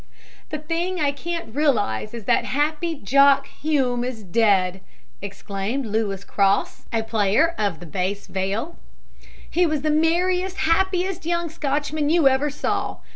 "The thing I can't realize is that happy 'Jock' Hume is dead," exclaimed Louis Cross, a player of the bass viol. "He was the merriest, happiest young Scotchman you ever saw.